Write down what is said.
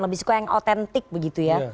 lebih suka yang otentik begitu ya